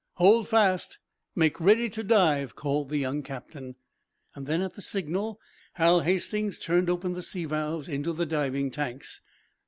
"Hold fast! Make ready to dive!" called the young captain. Then, at the signal, Hal Hastings turned open the sea valves into the diving tanks.